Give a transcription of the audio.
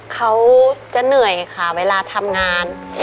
เขาจะเหนื่อยค่ะเวลาทำงาน